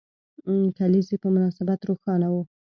کلیزې په مناسبت روښانه وو.